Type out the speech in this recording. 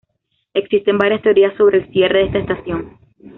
Existen varias teorías sobre el cierre de esta estación.